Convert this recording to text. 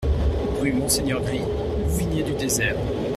Rue Monseigneur Gry, Louvigné-du-Désert